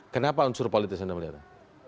kenapa unsur politis anda melihatnya